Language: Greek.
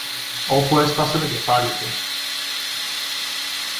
όπου έσπασε το κεφάλι του.